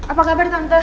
apa kabar tante